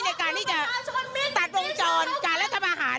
ในการที่จะตัดวงจรการรัฐประหาร